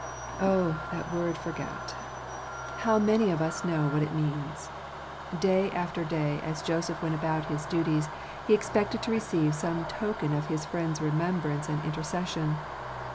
Oh, that word "forgat "! How many of us know what it means ! Day after day, as Joseph went about his duties, he expected to receive some token of his friend's remembrance and intercession.